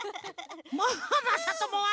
もうまさともは。